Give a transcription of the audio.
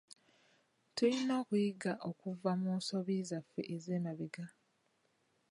Tulina okuyiga okuva mu nsobi zaffe ez'emabega